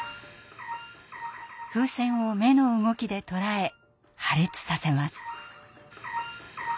風船を目の動きで捉え破裂させます。